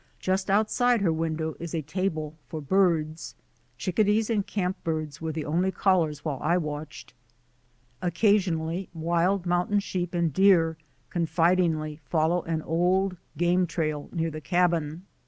Just outside her window is a table for birds. Chicka dees and camp birds were the only callers while I watched. Occasionally wild mountain sheep and deer confidingly follow an old game trail near the cabin.